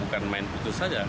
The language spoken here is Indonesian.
bukan main putus saja